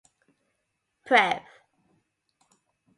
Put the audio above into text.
Pref.